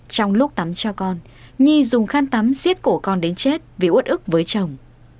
trong lúc tắm cho con nhi dùng khăn tắm giết cổ con đến chết vì uất ức với chồng